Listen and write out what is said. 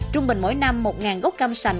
trung bình mỗi năm một gốc cam sành